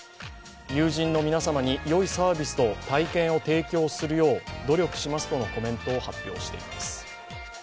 友人の皆様によいサービスと体験を提供するよう努力しますとのコメントを発表しています。